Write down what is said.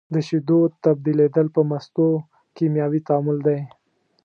د شیدو تبدیلیدل په مستو کیمیاوي تعامل دی.